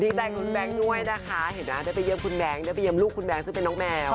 ดีใจคุณแบงค์ด้วยนะคะเห็นไหมได้ไปเยี่ยมคุณแบงค์ได้ไปเยี่ยมลูกคุณแบงค์ซึ่งเป็นน้องแมว